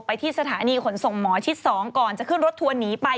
ที่สถานีขนส่งหมอชิด๒ก่อนจะขึ้นรถทัวร์หนีไป